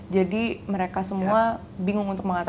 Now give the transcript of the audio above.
jadi mereka semua bingung untuk mengatasi